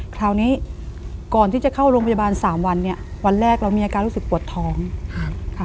คราวนี้ก่อนที่จะเข้าโรงพยาบาลสามวันเนี่ยวันแรกเรามีอาการรู้สึกปวดท้องค่ะ